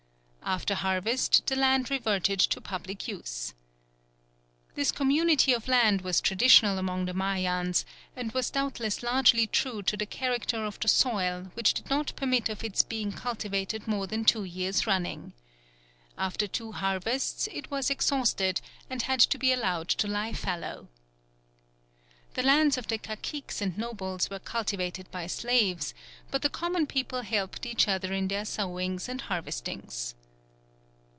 After harvest the land reverted to public use. This community of land was traditional among the Mayans, and was doubtless largely due to the character of the soil, which did not permit of its being cultivated more than two years running. After two harvests it was exhausted, and had to be allowed to lie fallow. The lands of the caciques and nobles were cultivated by slaves; but the common people helped each other in their sowings and harvestings.